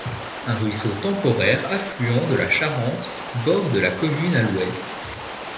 Un ruisseau temporaire affluent de la Charente borde la commune à l'ouest.